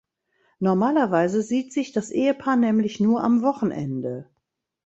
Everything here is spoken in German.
Normalerweise sieht sich das Ehepaar nämlich nur am Wochenende.